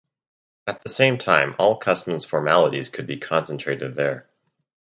At the same time all customs formalities could be concentrated there.